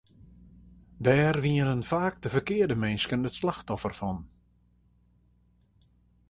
Dêr wienen faak de ferkearde minsken it slachtoffer fan.